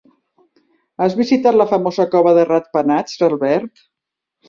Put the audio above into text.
Has visitat la famosa cova de ratpenats, Albert?